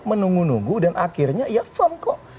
menunggu nunggu dan akhirnya ya firm kok